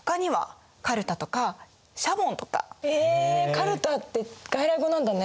カルタって外来語なんだね。